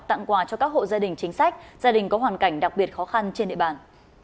tặng quà cho các hộ gia đình chính sách gia đình có hoàn cảnh đặc biệt khó khăn trên địa bàn